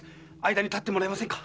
間に立ってもらえませんか？